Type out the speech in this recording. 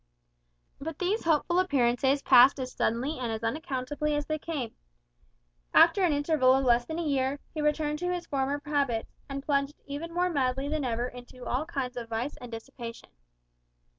But these hopeful appearances passed as suddenly and as unaccountably as they came. After an interval of less than a year, he returned to his former habits, and plunged even more madly than ever into all kinds of vice and dissipation.